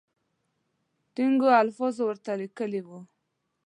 ټینګو الفاظو ورته لیکلي وو.